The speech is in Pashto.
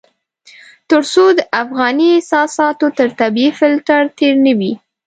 تر څو د افغاني اساساتو تر طبيعي فلټر تېر نه وي.